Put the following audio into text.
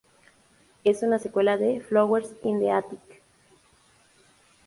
Es una secuela de "Flowers in the Attic".